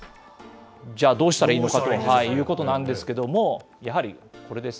じゃあ、どうしたらいいのかということなんですけれども、やはりこれです。